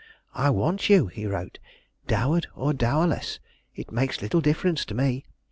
"I want you," he wrote; "dowered or dowerless, it makes little difference to me.